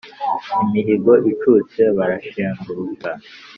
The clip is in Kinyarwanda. imihigo icutse barashenguruka.